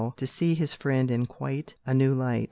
to see his friend in quite a new light.